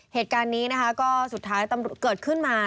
เหตุการณ์นี้นะคะก็สุดท้ายตำรวจเกิดขึ้นมา